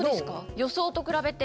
予想と比べて。